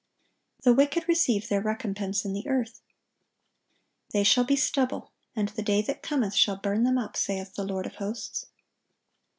(1168) The wicked receive their recompense in the earth.(1169) They "shall be stubble: and the day that cometh shall burn them up, saith the Lord of hosts."